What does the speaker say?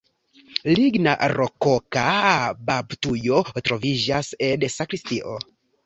Ligna rokoka baptujo troviĝas en sakristio.